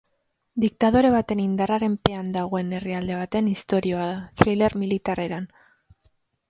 Diktadore baten indarraren pean dagoen herrialde baten istorioa da, thriller militar eran.